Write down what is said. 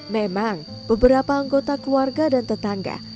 memang beberapa anggota keluarga dan tetangga